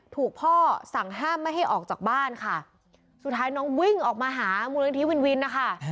ถูกพ่อสั่งห้ามไม่ให้ออกจากบ้านค่ะสุดท้ายน้องวิ่งออกมาหามูลนิธิวินวินนะคะ